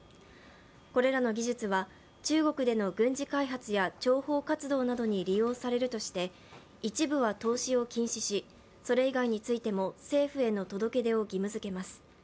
これらの技術は中国での軍事開発や諜報活動に利用されるとして一部は投資を禁止し、それ以外についても政府への届け出を義務づけます。